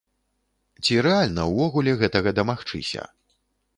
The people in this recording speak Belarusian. Ці рэальна ўвогуле гэтага дамагчыся?